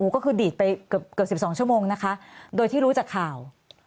ก็คือดีดไปเกือบ๑๒ชั่วโมงนะคะโดยที่รู้จากข่าว